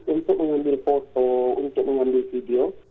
untuk mengambil foto untuk mengambil video